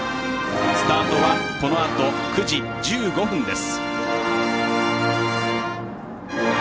スタートはこのあと９時１５分です。